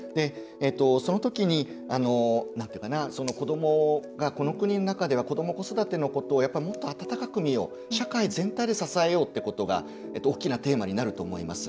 その時に子どもがこの国の中では子ども、子育てのことをもっと温かく見よう社会全体で支えようってことが大きなテーマになると思います。